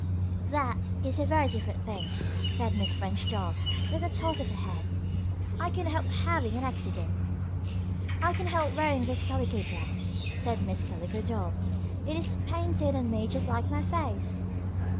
"That is a very different thing," said Miss French Doll, with a toss of her head. "I could not help having an accident." "I cannot help wearing this calico dress," said Miss Calico Doll. "It is painted on me just like my face."